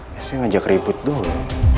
biasanya ngajak ribut dulu